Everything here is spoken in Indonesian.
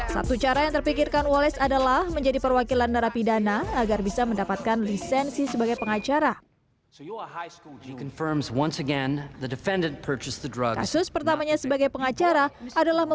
satu cara yang terpikirkan wales adalah menjadi perwakilan narapidana agar bisa mendapatkan lisensi sebagai pengacara